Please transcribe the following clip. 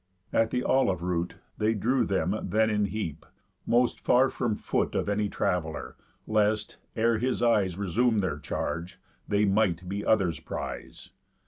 At the olive root They drew them then in heap, most far from foot Of any traveller, lest, ere his eyes Resum'd their charge, they might be others' prise.